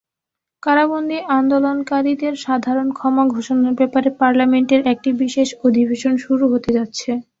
কারাবন্দী আন্দোলনকারীদের সাধারণ ক্ষমা ঘোষণার ব্যাপারে পার্লামেন্টের একটি বিশেষ অধিবেশন শুরু হতে যাচ্ছে।